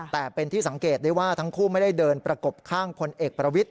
แต่เป็นที่สังเกตได้ว่าทั้งคู่ไม่ได้เดินประกบข้างพลเอกประวิทธ